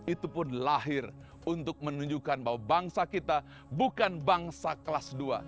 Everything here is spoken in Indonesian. itu pun lahir untuk menunjukkan bahwa bangsa kita bukan bangsa kelas dua